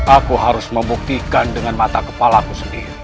aku harus membuktikan dengan mata kepala aku sendiri